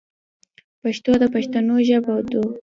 پښتو د پښتنو ژبه دو.